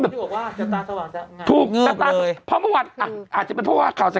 ที่บอกว่าจะตาสว่างเนี่ย